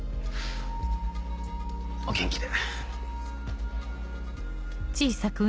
お元気で。